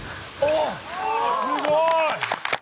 すごーい！